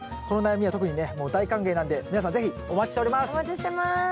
この悩みは特にねもう大歓迎なんで皆さん是非お待ちしております。